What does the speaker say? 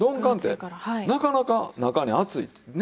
なかなか中に熱いって。